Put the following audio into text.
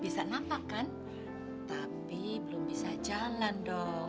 di hadapan tadi kok ter ihrer perasaan